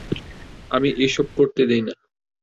আমি এসব করতে দেই না।